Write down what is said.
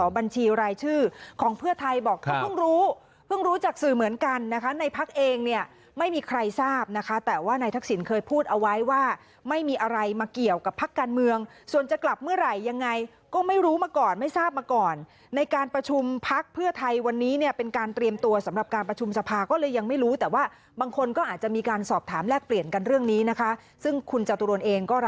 บัญชีรายชื่อของเพื่อไทยบอกเขาเพิ่งรู้เพิ่งรู้จากสื่อเหมือนกันนะคะในพักเองเนี่ยไม่มีใครทราบนะคะแต่ว่าในทักศิลป์เคยพูดเอาไว้ว่าไม่มีอะไรมาเกี่ยวกับพักการเมืองส่วนจะกลับเมื่อไหร่ยังไงก็ไม่รู้มาก่อนไม่ทราบมาก่อนในการประชุมพักเพื่อไทยวันนี้เนี่ยเป็นการเตรียมตัวสำหรับการประชุมสภาก็เลย